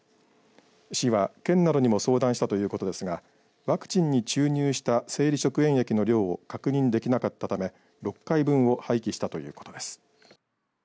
市は、県などにも相談したということですがワクチンに注入した生理食塩液の量を確認できなかったため６回分を廃棄したということです。